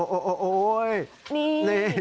โอ้โหนี่